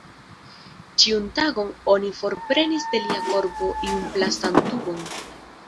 Ĉiun tagon oni forprenis de lia korpo iun plastan tubon.